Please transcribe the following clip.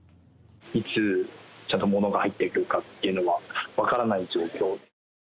いつちゃんと物が入ってくるかっていうのは分からない状況。